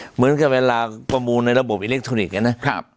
เหมือนกับเวลาประมูลในระบบอิเล็กทรอนิกส์นะครับ